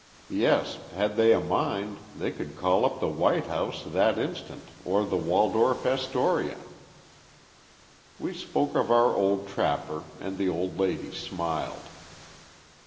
Yes! had they a mind, they could call up the White House, that instant, or the Waldorf Astoria. We spoke of our old trapper, and the old lady smiled.